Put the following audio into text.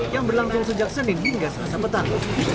yang berlangsung sejak senin hingga selasa petang